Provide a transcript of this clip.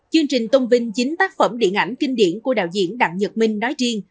chương trình tôn vinh chính tác phẩm điện ảnh kinh điển của đạo diễn đặng nhật minh nói riêng